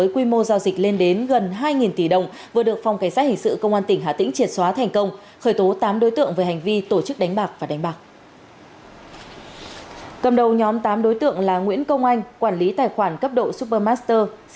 cùng chú tại tp hcm về hành vi bắt giữ người trái pháp luật